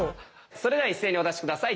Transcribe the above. それでは一斉にお出し下さい。